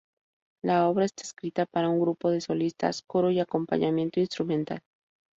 La obra está escrita para un grupo de solistas, coro y acompañamiento instrumental.